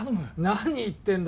何言ってんだ